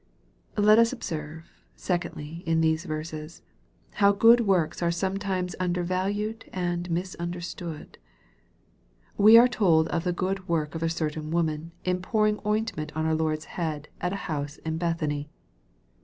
Let us observe, secondly, in these verses, how good works are sometimes undervalued and misundertsood. We are told of the good work of a certain woman, in pour ing ointment on our Lord's head, in a house at Bethany.